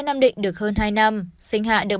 nam định được hơn hai năm sinh hạ được